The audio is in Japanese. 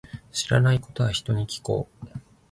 知らないことは、人に聞こう。